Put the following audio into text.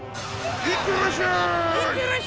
いってらっしゃーい。